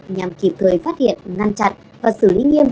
nhằm kịp thời phát hiện ngăn chặn và xử lý nghiêm